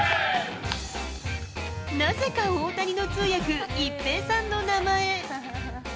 なぜか大谷の通訳、一平さんの名前。